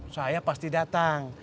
saya pasti datang